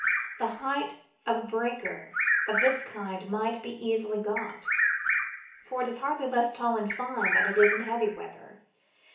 The height of a breaker of this kind might be easily got, for it is hardly less tall in fine than it is in heavy weather.